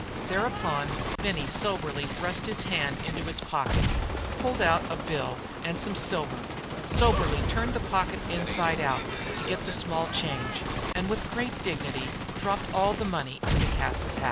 Thereupon Benny soberly thrust his hand into his pocket, pulled out a bill and some silver, soberly turned the pocket inside out to get the small change, and with great dignity dropped all the money into Cas's hat.